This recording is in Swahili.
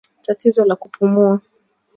Tatizo la kupumua